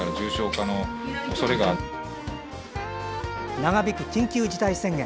長引く緊急事態宣言。